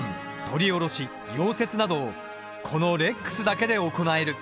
取り下ろし溶接などをこのＲＥＸＳだけで行える。